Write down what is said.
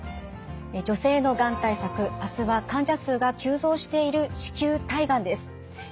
「女性のがん対策」明日は患者数が急増している子宮体がんです。